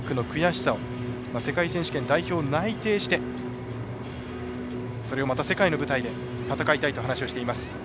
世界選手権で代表内定してそれをまた世界舞台で戦いたいと話をしています。